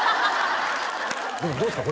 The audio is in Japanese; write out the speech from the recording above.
でもどうですか？